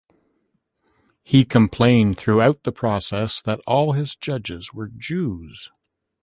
He complained throughout the process that all his judges were Jews.